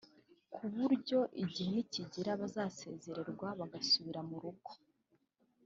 kuburyo igihe nikigera bazasezererwa bagasubira mu rugo